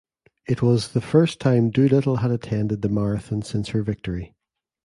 It was the first time Doolittle had attended the marathon since her victory.